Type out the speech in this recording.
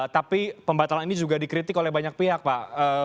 tapi pembatalan ini juga dikritik oleh banyak pihak pak